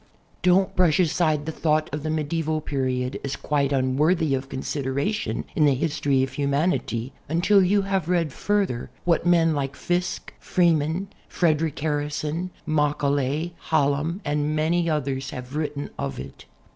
Don't brush aside the thought of the medieval period as (|uite unworthy of consideration in the history of humanity until you have read further what men like Fiske, Freeman, Frederic Harrison, Macaulay, Hallam and many others have wrtten of it.